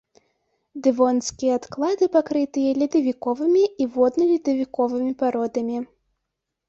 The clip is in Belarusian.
Дэвонскія адклады пакрытыя ледавіковымі і водна-ледавіковымі пародамі.